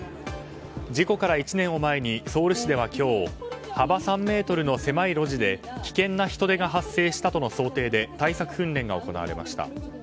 事故から１年を前にソウル市では今日幅３ｍの狭い路地で危険な人出が発生したとの想定で対策訓練が行われました。